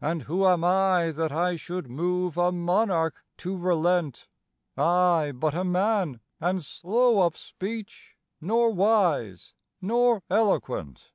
"And who am I that I should move a monarch to relent? I, but a man, and slow of speech, nor wise, nor eloquent."